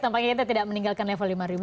tampaknya kita tidak meninggalkan level lima